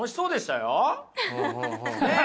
ねえ？